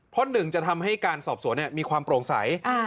เพราะหนึ่งจะทำให้การสอบสวนมีความโปร่งใส